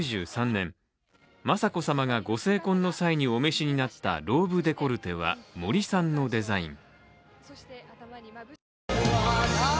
１９９３年、雅子さまがご成婚の際にお召しになったローブデコルテは森さんのデザイン。